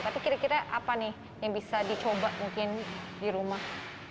tapi kira kira apa nih yang bisa dicoba mungkin di rumah